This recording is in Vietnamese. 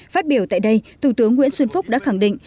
phát biểu tại đây thủ tướng nguyễn xuân phúc đã khẳng định